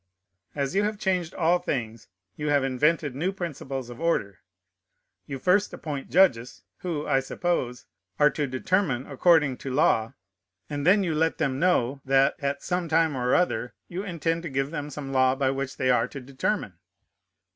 As you have changed all things, you have invented new principles of order. You first appoint judges, who, I suppose, are to determine according to law, and then you let them know, that, at some time or other, you intend to give them some law by which they are to determine.